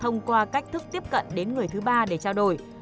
thông qua cách thức tiếp cận đến người thứ ba để trao đổi